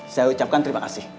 saya ucapkan terima kasih